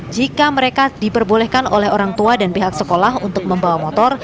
jika mereka diperbolehkan oleh orang tua dan pihak sekolah untuk membawa motor